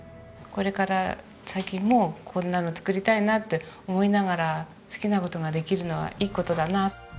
これから先もこんなの作りたいなって思いながら好きな事ができるのはいい事だな。